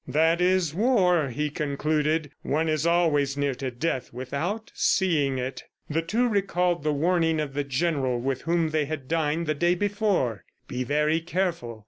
"That is war," he concluded. "One is always near to death without seeing it." The two recalled the warning of the general with whom they had dined the day before: "Be very careful!